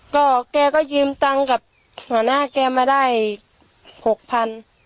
ก็แกก็ยืมตังค์กับหัวหน้าแกมาได้หกพัน